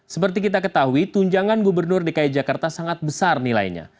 seperti kita ketahui tunjangan gubernur dki jakarta sangat besar nilainya